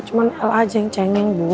cuma l aja yang cengeng bu